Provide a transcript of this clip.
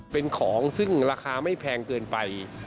เป็นของซึ่งราคาไม่แพงเกินไป